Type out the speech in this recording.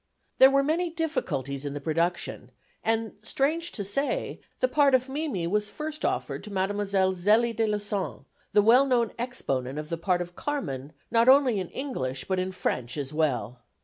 There were many difficulties in the production, and, strange to say, the part of Mimi was first offered to Mdlle. Zelie de Lussan, the well known exponent of the part of Carmen, not only in English, but in French as well.